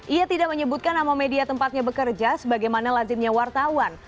ia tidak menyebutkan nama media tempatnya bekerja sebagaimana lazimnya wartawan